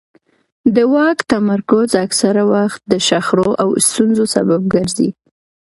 د واک تمرکز اکثره وخت د شخړو او ستونزو سبب ګرځي